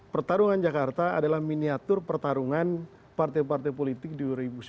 pertarungan jakarta adalah miniatur pertarungan partai partai politik di dua ribu sembilan belas